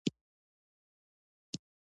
د کاناډا اساسي قانون د ده په وخت کې نافذ شو.